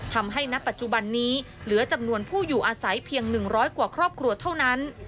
ณปัจจุบันนี้เหลือจำนวนผู้อยู่อาศัยเพียง๑๐๐กว่าครอบครัวเท่านั้น